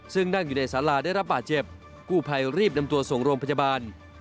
ซึ่งนั่งอยู่ในสาราได้รับบาดเจ็บกู้ภัยรีบนำตัวส่งโรงพยาบาล